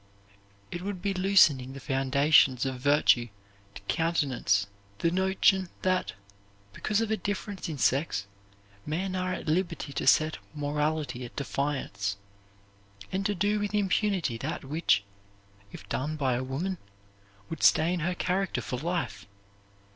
It would be loosening the foundations of virtue to countenance the notion that, because of a difference in sex, men are at liberty to set morality at defiance, and to do with impunity that which, if done by a woman, would stain her character for life.